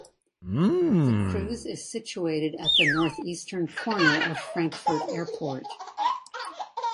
The Kreuz is situated at the northeastern corner of Frankfurt Airport.